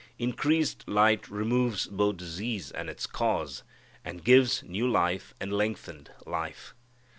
Increased light removes both disease and its cause, and gives new life and lengthened life.